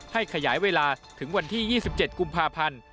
ขยายเวลาถึงวันที่๒๗กุมภาพันธ์